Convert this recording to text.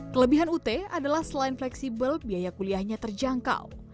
kelebihan ut adalah selain fleksibel biaya kuliahnya terjangkau